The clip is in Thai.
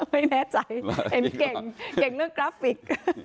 ไม่แน่ใจเห็นเก่งเก่งเรื่องกราฟิก